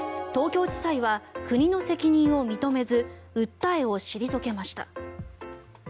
東京地裁は国の責任を認めず訴えを退けました。